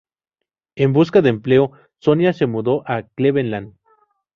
En busca de empleo, Sonia se mudó a Cleveland.